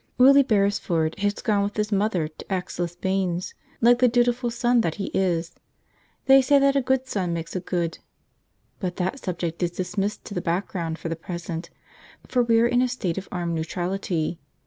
Willie Beresford has gone with his mother to Aix les Bains, like the dutiful son that he is. They say that a good son makes a good But that subject is dismissed to the background for the present, for we are in a state of armed neutrality.